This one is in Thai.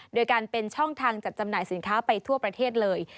โดยการเป็นช่องทางจัดจำหน่ายสินค้าไปทั่วประเทศเลย